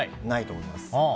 ないと思います。